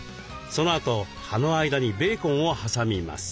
そのあと葉の間にベーコンを挟みます。